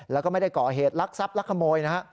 แล้วก็ไม่ได้ก่อเหตุลักษัพลักขโมยนะฮะ